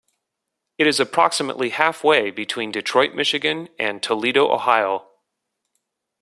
It is approximately halfway between Detroit, Michigan, and Toledo, Ohio.